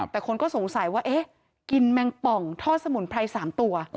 แต่คนก็สงสัยว่าเอ๊ะกินแมงป่องทอดสมุนไพร๓ตัว